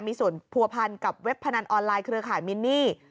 มีส่วนผัวพันกับเว็บพนันออนไลน์เครือข่ายมินนี่